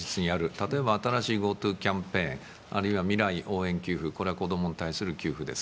例えば新しいＧｏＴｏキャンペーン、あるいは未来応援給付、これは子供に対する給付です。